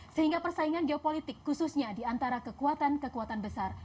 sehingga persaingan geopolitik khususnya diantara kekuatan kekuatan besar